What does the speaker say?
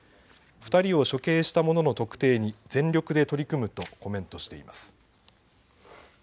２人を処刑した者の特定に全力で取り組むとコメントしています。